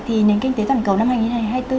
thì nền kinh tế toàn cầu năm hai nghìn hai mươi bốn